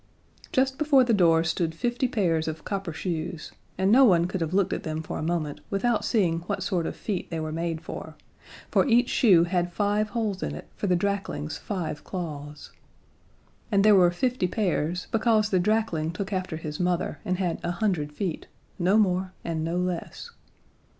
Just before the door stood fifty pairs of copper shoes, and no one could have looked at them for a moment without seeing what sort of feet they were made for, for each shoe had five holes in it for the drakling's five claws. And there were fifty pairs because the drakling took after his mother, and had a hundred feet no more and no less.